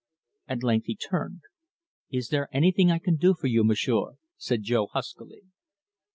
At length he turned. "Is there anything I can do for you, M'sieu'?" said Jo huskily.